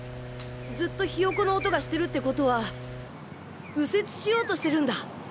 ずっとヒヨコの音がしてるって事は右折しようとしてるんだ。